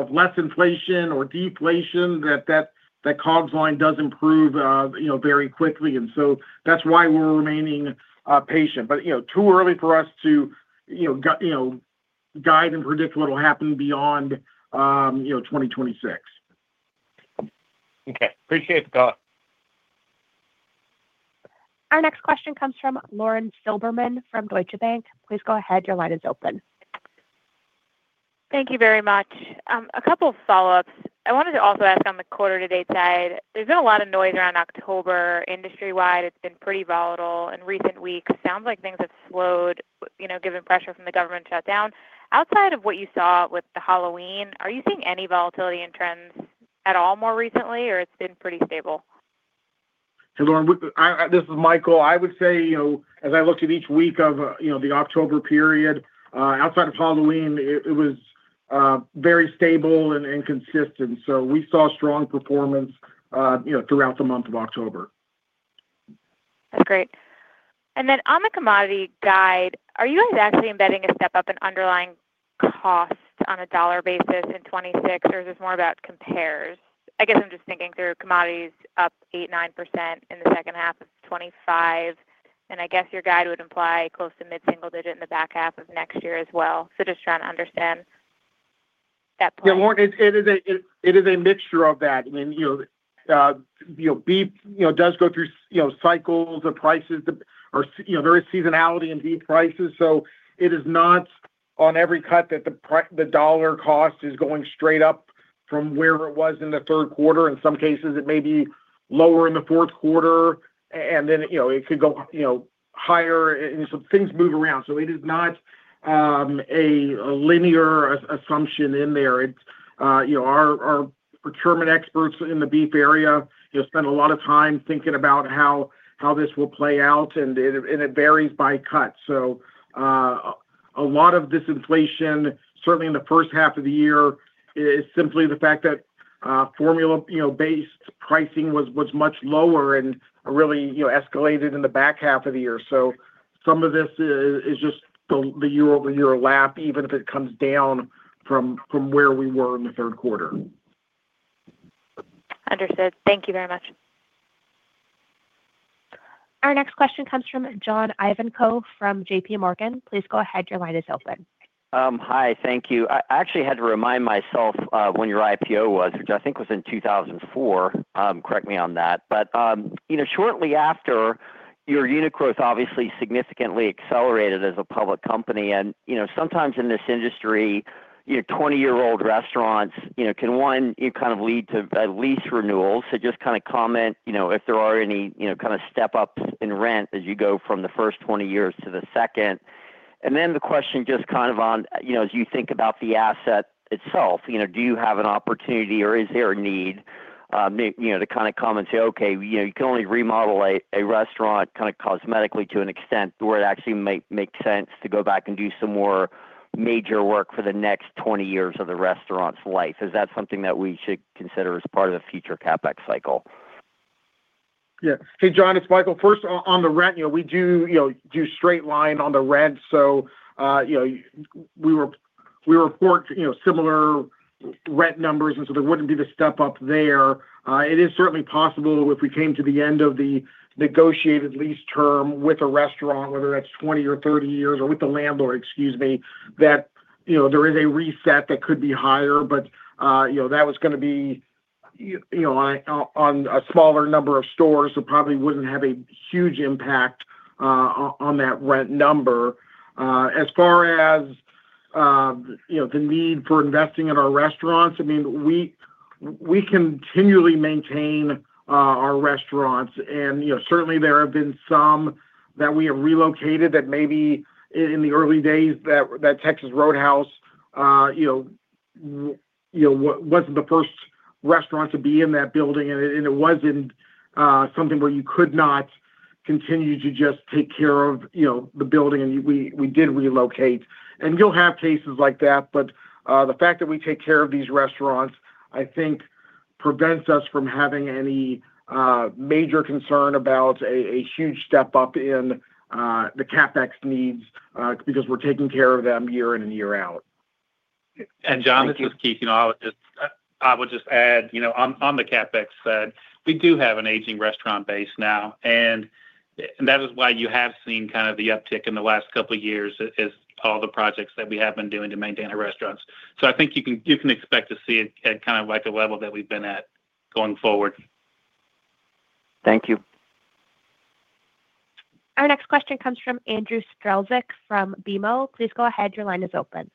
less inflation or deflation, that COGS line does improve very quickly. That is why we're remaining patient. Too early for us to guide and predict what will happen beyond 2026. Okay. Appreciate the call. Our next question comes from Lauren Silberman from Deutsche Bank. Please go ahead. Your line is open. Thank you very much. A couple of follow-ups. I wanted to also ask on the quarter-to-date side, there's been a lot of noise around October industry-wide. It's been pretty volatile in recent weeks. Sounds like things have slowed given pressure from the government shutdown. Outside of what you saw with the Halloween, are you seeing any volatility in trends at all more recently, or it's been pretty stable? Hey, Lauren, this is Michael. I would say, as I looked at each week of the October period, outside of Halloween, it was very stable and consistent. We saw strong performance throughout the month of October. Great. Then on the commodity guide, are you guys actually embedding a step up in underlying cost on a dollar basis in 2026, or is this more about compares? I guess I'm just thinking through commodities up 8%-9% in the second half of 2025. I guess your guide would imply close to mid-single digit in the back half of next year as well. Just trying to understand that point. Yeah, Lauren, it is a mixture of that. I mean, beef does go through cycles of prices or various seasonality in beef prices. It is not on every cut that the dollar cost is going straight up from where it was in the third quarter. In some cases, it may be lower in the fourth quarter, and it could go higher. Things move around. It is not a linear assumption in there. Our procurement experts in the beef area spend a lot of time thinking about how this will play out, and it varies by cut. A lot of this inflation, certainly in the first half of the year, is simply the fact that formula-based pricing was much lower and really escalated in the back half of the year. Some of this is just the year-over-year lap, even if it comes down from where we were in the third quarter. Understood. Thank you very much. Our next question comes from John Ivankoe from JPMorgan. Please go ahead. Your line is open. Hi. Thank you. I actually had to remind myself when your IPO was, which I think was in 2004. Correct me on that. Shortly after, your unit growth obviously significantly accelerated as a public company. Sometimes in this industry, 20-year-old restaurants can one kind of lead to at least renewals? Just kind of comment if there are any kind of step-ups in rent as you go from the first 20 years to the second. The question just kind of on, as you think about the asset itself, do you have an opportunity or is there a need. To kind of come and say, "Okay, you can only remodel a restaurant kind of cosmetically to an extent where it actually makes sense to go back and do some more major work for the next 20 years of the restaurant's life." Is that something that we should consider as part of the future CapEx cycle? Yeah. Hey, John, it's Michael. First, on the rent, we do straight line on the rent. So we report similar rent numbers, and so there would not be the step-up there. It is certainly possible if we came to the end of the negotiated lease term with a restaurant, whether that is 20 or 30 years or with the landlord, excuse me, that there is a reset that could be higher. That is going to be on a smaller number of stores that probably would not have a huge impact on that rent number. As far as the need for investing in our restaurants, I mean, we continually maintain our restaurants. Certainly, there have been some that we have relocated that maybe in the early days that Texas Roadhouse was not the first restaurant to be in that building. It was not something where you could not Continue to just take care of the building. We did relocate. You'll have cases like that. The fact that we take care of these restaurants, I think, prevents us from having any major concern about a huge step-up in the CapEx needs because we're taking care of them year in and year out. John, this is Keith. I would just add on the CapEx side, we do have an aging restaurant base now. That is why you have seen kind of the uptick in the last couple of years as all the projects that we have been doing to maintain our restaurants. I think you can expect to see it at kind of like the level that we've been at going forward. Thank you. Our next question comes from Andrew Strelzik from BMO. Please go ahead. Your line is open.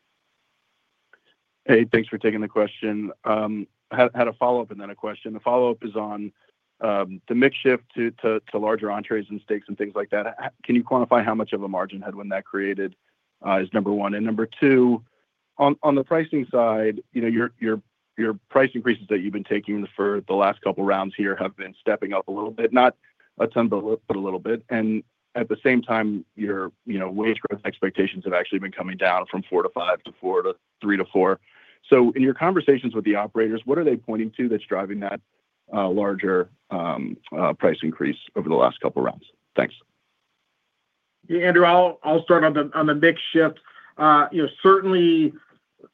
Hey, thanks for taking the question. I had a follow-up and then a question. The follow-up is on the mix shift to larger entrees and steaks and things like that. Can you quantify how much of a margin headwind that created is number one? Number two, on the pricing side, your price increases that you've been taking for the last couple of rounds here have been stepping up a little bit, not a ton, but a little bit. At the same time, your wage growth expectations have actually been coming down from four to five to four to three to four. In your conversations with the operators, what are they pointing to that's driving that larger price increase over the last couple of rounds? Thanks. Yeah, Andrew, I'll start on the mix shift. Certainly.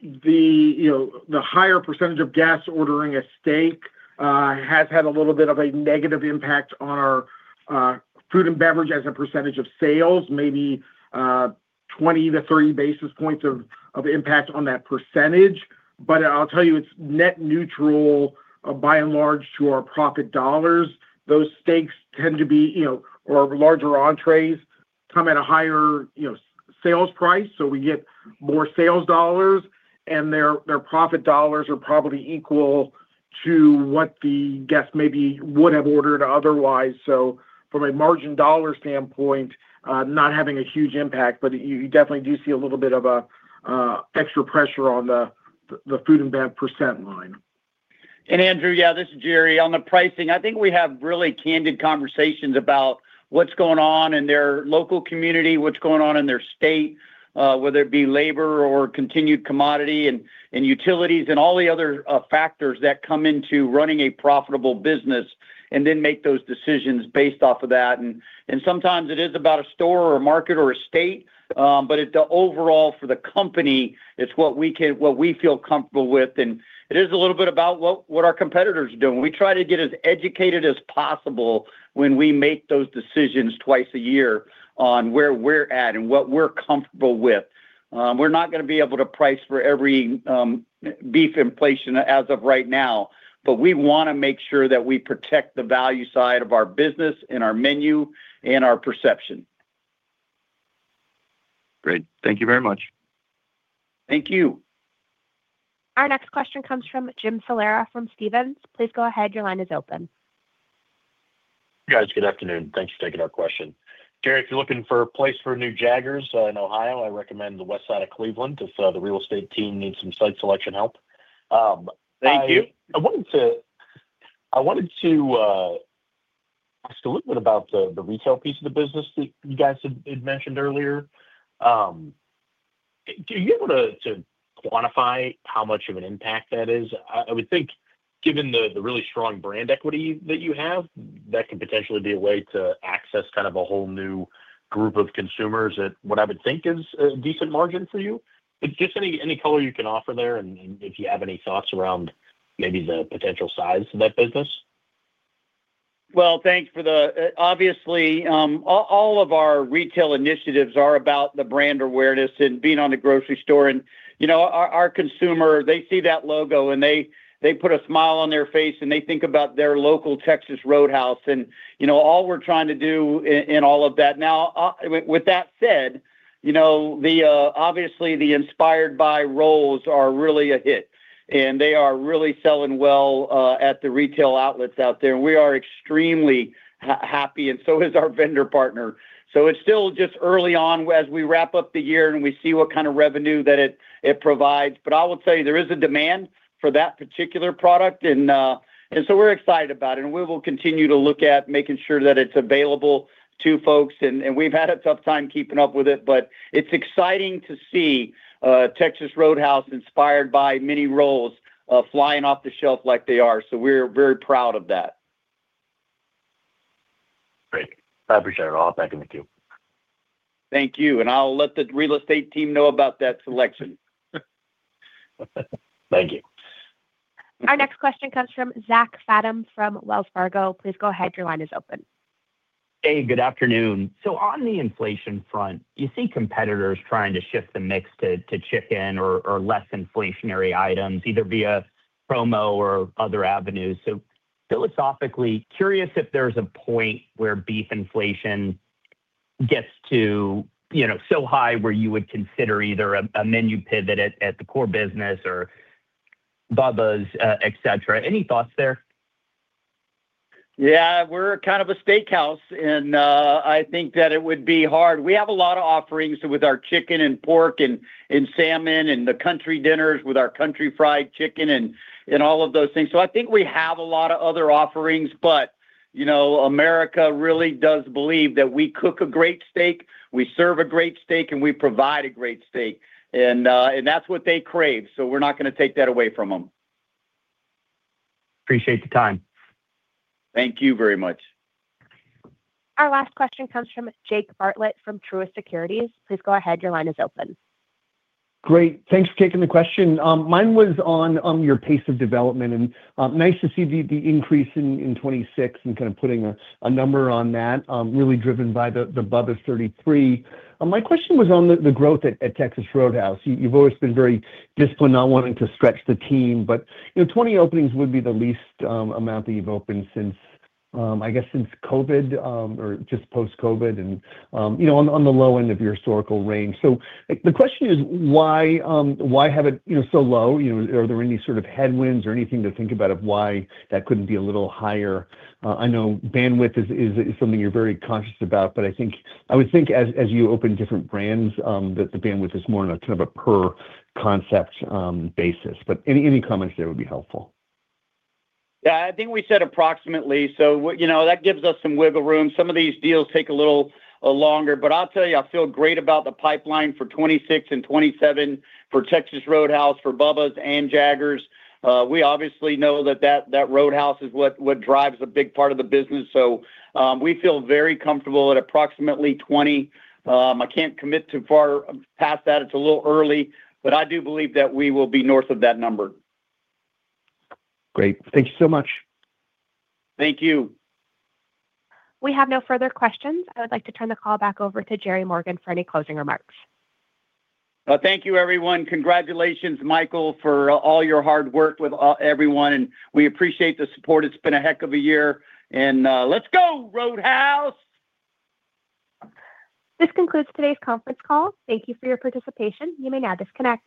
The higher percentage of guests ordering a steak has had a little bit of a negative impact on our food and beverage as a percentage of sales, maybe 20-30 basis points of impact on that percentage. I'll tell you, it's net neutral by and large to our profit dollars. Those steaks tend to be or larger entrees come at a higher sales price, so we get more sales dollars, and their profit dollars are probably equal to what the guests maybe would have ordered otherwise. From a margin dollar standpoint, not having a huge impact, but you definitely do see a little bit of an extra pressure on the food and beverage percent line. Andrew, yeah, this is Jerry. On the pricing, I think we have really candid conversations about what's going on in their local community, what's going on in their state, whether it be labor or continued commodity and utilities and all the other factors that come into running a profitable business, and then make those decisions based off of that. Sometimes it is about a store or a market or a state, but overall, for the company, it's what we feel comfortable with. It is a little bit about what our competitors are doing. We try to get as educated as possible when we make those decisions twice a year on where we're at and what we're comfortable with. We're not going to be able to price for every Beef inflation as of right now, but we want to make sure that we protect the value side of our business and our menu and our perception. Great. Thank you very much. Thank you. Our next question comes from Jim Salera from Stephens. Please go ahead. Your line is open. Guys, good afternoon. Thanks for taking our question. Jerry, if you're looking for a place for new Jaggers in Ohio, I recommend the west side of Cleveland if the real estate team needs some site selection help. Thank you. I wanted to ask a little bit about the retail piece of the business that you guys had mentioned earlier. Are you able to quantify how much of an impact that is? I would think, given the really strong brand equity that you have, that could potentially be a way to access kind of a whole new group of consumers at what I would think is a decent margin for you. Just any color you can offer there and if you have any thoughts around maybe the potential size of that business. Thanks for the obviously. All of our retail initiatives are about the brand awareness and being on the grocery store. Our consumer, they see that logo, and they put a smile on their face, and they think about their local Texas Roadhouse. All we're trying to do in all of that. Now, with that said. Obviously, the Inspired by rolls are really a hit. They are really selling well at the retail outlets out there. We are extremely happy, and so is our vendor partner. It is still just early on as we wrap up the year and we see what kind of revenue that it provides. I will tell you, there is a demand for that particular product. We are excited about it. We will continue to look at making sure that it's available to folks. We've had a tough time keeping up with it, but it's exciting to see Texas Roadhouse Inspired by Mini Rolls flying off the shelf like they are. We are very proud of that. Great. I appreciate it. I'll back in with you. Thank you. I'll let the real estate team know about that selection. Thank you. Our next question comes from Zach Fadem from Wells Fargo. Please go ahead. Your line is open. Hey, good afternoon. On the inflation front, you see competitors trying to shift the mix to chicken or less inflationary items, either via promo or other avenues. Philosophically, curious if there's a point where beef inflation gets to so high where you would consider either a menu pivot at the core business or Bubba's, etc. Any thoughts there? Yeah, we're kind of a steakhouse, and I think that it would be hard. We have a lot of offerings with our chicken and pork and salmon and the country dinners with our country fried chicken and all of those things. I think we have a lot of other offerings, but America really does believe that we cook a great steak, we serve a great steak, and we provide a great steak. That's what they crave. We're not going to take that away from them. Appreciate the time. Thank you very much. Our last question comes from Jake Bartlett from Truist Securities. Please go ahead. Your line is open. Great. Thanks for taking the question. Mine was on your pace of development. Nice to see the increase in 2026 and kind of putting a number on that, really driven by the Bubba's 33. My question was on the growth at Texas Roadhouse. You've always been very disciplined, not wanting to stretch the team, but 20 openings would be the least amount that you've opened since, I guess, since COVID or just post-COVID. On the low end of your historical range. The question is, why have it so low? Are there any sort of headwinds or anything to think about of why that could not be a little higher? I know bandwidth is something you're very conscious about. I would think as you open different brands, that the bandwidth is more on a kind of a per-concept basis. Any comments there would be helpful. Yeah, I think we said approximately. So that gives us some wiggle room. Some of these deals take a little longer. I'll tell you, I feel great about the pipeline for 2026 and 2027 for Texas Roadhouse, for Bubba's 33 and Jaggers. We obviously know that that Roadhouse is what drives a big part of the business. We feel very comfortable at approximately 20. I can't commit too far past that. It's a little early, but I do believe that we will be north of that number. Great. Thank you so much. Thank you. We have no further questions. I would like to turn the call back over to Jerry Morgan for any closing remarks. Thank you, everyone. Congratulations, Michael, for all your hard work with everyone. We appreciate the support. It's been a heck of a year. Let's go, Roadhouse. This concludes today's conference call. Thank you for your participation. You may now disconnect.